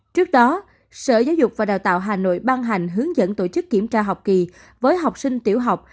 trước đó sở giáo dục và đào tạo hà nội ban hành hướng dẫn tổ chức kiểm tra học kỳ với học sinh tiểu học